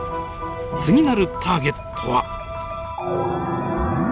次なるターゲットは。